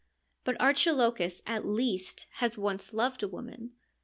But Archilochus at least has once loved a woman.